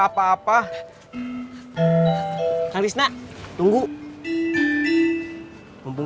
kita bisa kenan lelur